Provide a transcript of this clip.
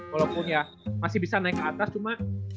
walaupun ya masih bisa naik ke atas cuma